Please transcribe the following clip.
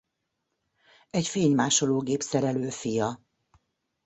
Egy fénymásológép-szerelő fia.